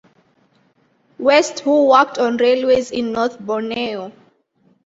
West who worked on railways in North Borneo.